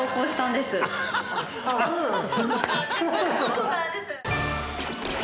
そうなんです。